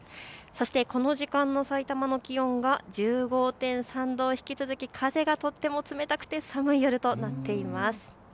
そしてこの時間のさいたまの気温は１５．３度、引き続き風がとっても冷たくて寒い夜となっています。